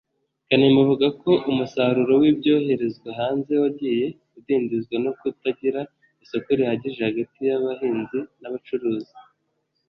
Kanimba avuga ko umusaruro w’ibyoherezwa hanze wagiye udindizwa no kutagira isoko rihagije hagati y’abahinzi n’abacuruzi